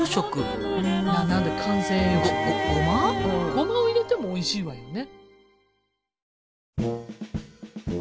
ごまを入れてもおいしいわよね。